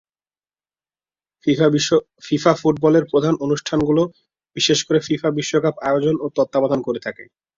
FIFA ফুটবলের প্রধান অনুষ্ঠানগুলো বিশেষ করে ফিফা বিশ্বকাপ আয়োজন ও তত্ত্বাবধান করে থাকে।